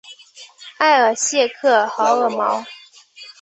埃尔谢克豪尔毛。